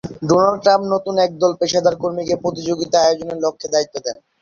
Donald Trump নতুন একদল পেশাদার কর্মীকে প্রতিযোগিতা আয়োজনের লক্ষ্যে দায়িত্ব দেন।